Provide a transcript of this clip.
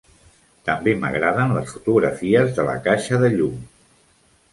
També m'agraden les fotografies de la caixa de llum.